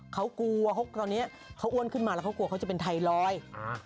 เขากลัวตอนนี้เขาอ้วนขึ้นมาแล้วเขากลัวเขาจะเป็นไทรอยด์